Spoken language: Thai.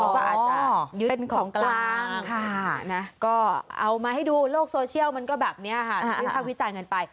อ๋อเขาก็อาจจะยึดของกลางค่ะนะก็เอามาให้ดูโลกโซเชียลมันก็แบบเนี่ยค่ะ